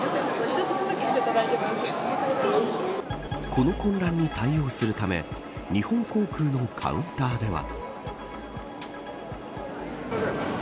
この混乱に対応するため日本航空のカウンターでは。